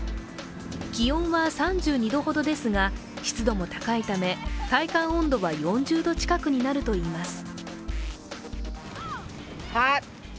気温は３２度ほどですが、湿度も高いため、体感温度は４０度近くになるといいます。